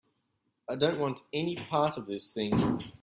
I don't want any part of this thing.